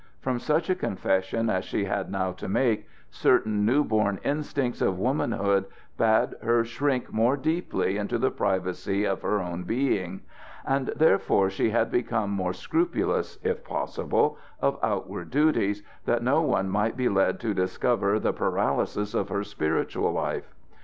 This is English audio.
From such a confession as she had now to make, certain new born instincts of womanhood bade her shrink more deeply into the privacy of her own being. And therefore she had become more scrupulous, if possible, of outward duties, that no one might be led to discover the paralysis of her spiritual life.